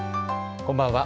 こんばんは。